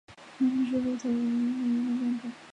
毛柄肥肉草为野牡丹科异药花属下的一个变种。